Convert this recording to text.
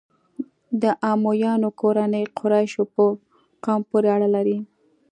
د امویانو کورنۍ قریشو په قوم پورې اړه لري.